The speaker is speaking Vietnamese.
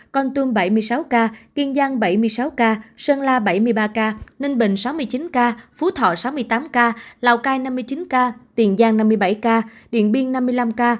con tum bảy mươi sáu ca kiên giang bảy mươi sáu ca sơn la bảy mươi ba ca ninh bình sáu mươi chín ca phú thọ sáu mươi tám ca lào cai năm mươi chín ca tiền giang năm mươi bảy ca điện biên năm mươi năm ca